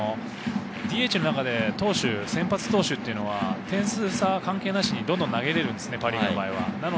ＤＨの中で先発投手というのは点数差関係なしにどんどん投げられるんです、パ・リーグの場合は。